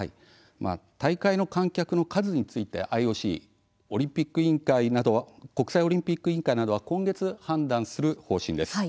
大会の観客の数についてＩＯＣ＝国際オリンピック委員会などは今月判断する方針です。